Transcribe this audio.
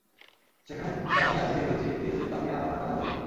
সেখানে তখনই আমি স্থির করেছি, দিল্লির কাউকে আমার মনের কথা বলবো না।